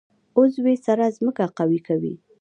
عضوي سره ځمکه قوي کوي.